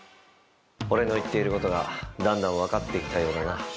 俺の言っていることがだんだん分かって来たようだな。